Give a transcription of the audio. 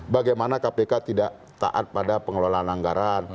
bagaimana kpk tidak taat pada pengelolaan anggaran